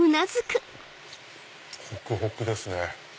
ほくほくですね！